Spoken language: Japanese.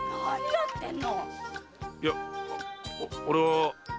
いや俺は。